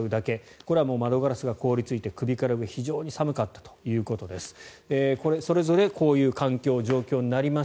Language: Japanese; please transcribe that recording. これは窓ガラスが凍りついて首から上、非常に寒かったということです。